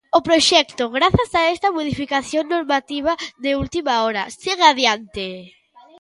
O proxecto, grazas a esta modificación normativa de última hora, segue adiante.